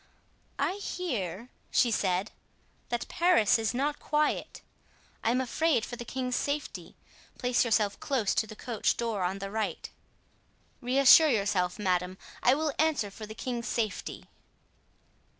"I hear," she said, "that Paris is not quiet. I am afraid for the king's safety; place yourself close to the coach door on the right." "Reassure yourself, madame, I will answer for the king's safety."